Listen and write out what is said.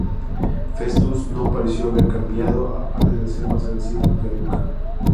Festus no pareció haber cambiado, aparte de ser más agresivo que nunca.